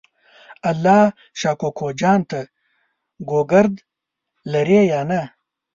الله شا کوکو جان ته ګوګرد لرې یا نه؟